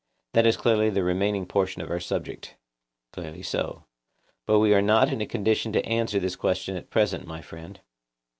That is clearly the remaining portion of our subject. Clearly so. But we are not in a condition to answer this question at present, my friend.